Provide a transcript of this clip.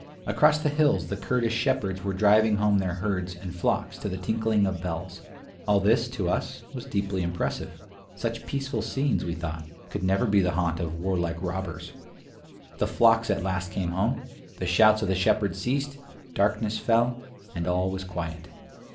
Across the hills the Kurdish shepherds were driving home their herds and flocks to the tinkling of bells. All this, to us, was deeply impressive. Such peaceful scenes, we thought, could never be the haunt of II 55 warlike robbers. The flocks at last came home; the shouts of the shepherds ceased; darkness fell; and all was quiet.